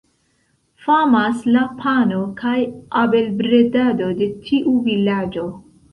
Famas la pano kaj abelbredado de tiu vilaĝo.